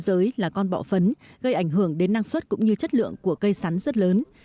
giới là con bọ phấn gây ảnh hưởng đến năng suất cũng như chất lượng của cây sắn rất lớn